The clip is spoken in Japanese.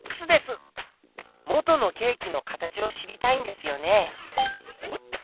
元のケーキの形を知りたいんですよね？